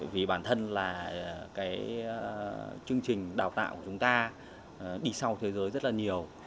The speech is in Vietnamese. vì bản thân là cái chương trình đào tạo của chúng ta đi sau thế giới rất là nhiều